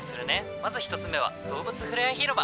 まず１つ目は動物ふれあい広場。